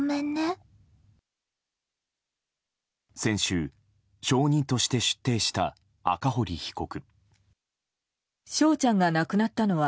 先週、証人として出廷した赤堀被告。